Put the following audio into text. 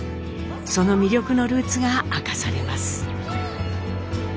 その魅力のルーツが明かされます。